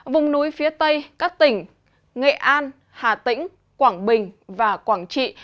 vùng núi phía tây các tỉnh nghệ an hà tĩnh quảng bình và quảng trị